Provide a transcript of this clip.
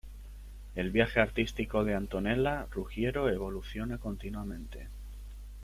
El viaje artístico de Antonella Ruggiero evoluciona continuamente.